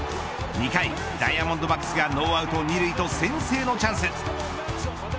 ２回、ダイヤモンドバックスがノーアウト２塁と先制のチャンス。